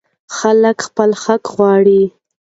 خلک خپل حق غواړي.